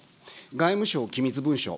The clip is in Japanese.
外務省機密文書。